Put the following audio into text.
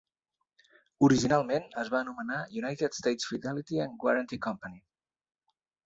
Originalment es va anomenar United States Fidelity and Guaranty Company.